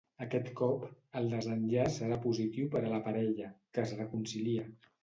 Aquest cop, el desenllaç serà positiu per a la parella, que es reconcilia.